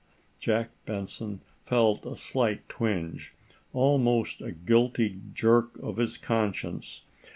Jack Benson felt a swift twinge almost a guilty jerk of his conscience.